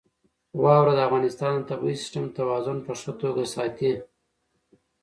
واوره د افغانستان د طبعي سیسټم توازن په ښه توګه ساتي.